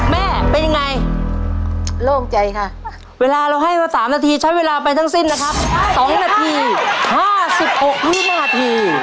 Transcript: แม่เป็นยังไงโล่งใจค่ะเวลาเราให้มา๓นาทีใช้เวลาไปทั้งสิ้นนะครับ๒นาที๕๖วินาที